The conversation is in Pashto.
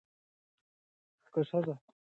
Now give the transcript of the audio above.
که ښځه زده کړه ولري، نو خپل کار په ښه ډول ترسره کوي.